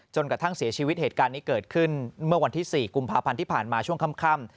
กระทั่งเสียชีวิตเหตุการณ์นี้เกิดขึ้นเมื่อวันที่๔กุมภาพันธ์ที่ผ่านมาช่วงค่ำ